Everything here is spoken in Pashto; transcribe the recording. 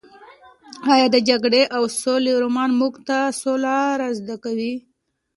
ایا د جګړې او سولې رومان موږ ته سوله را زده کوي؟